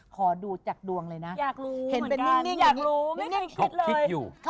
ขอดูจากดวงเลยนะเห็นเป็นนิ่งอย่างแบบนี้อยากรู้เหมือนกัน